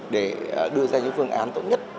để đưa ra những phương án tốt nhất